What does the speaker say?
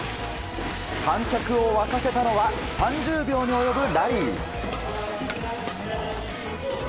観客を沸かせたのは３０秒に及ぶラリー。